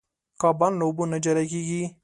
کبان له اوبو نه جلا کېږي.